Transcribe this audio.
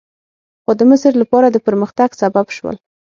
خو د مصر لپاره د پرمختګ سبب شول.